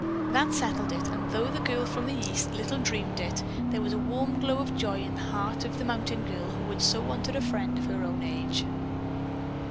That settled it and though the girl from the East little dreamed it, there was a warm glow of joy in the heart of the mountain girl who had so wanted a friend of her own age.